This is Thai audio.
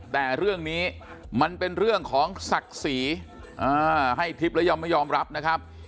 แต่เรื่องนี้มันเป็นเรื่องของศักดิ์ศรีให้ทิพย์แล้วยอมไม่ยอมรับนะครับ